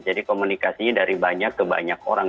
jadi komunikasinya dari banyak ke banyak orang